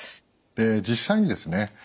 実際にですね